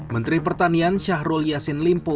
menteri pertanian syahrul yassin limpo